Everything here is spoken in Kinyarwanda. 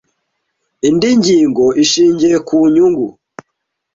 indi ngingo ishingiye ku nyungu